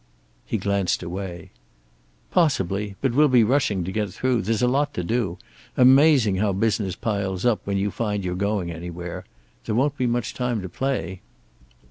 He glanced away. "Possibly. But we'll be rushing to get through. There's a lot to do. Amazing how business piles up when you find you're going anywhere. There won't be much time to play."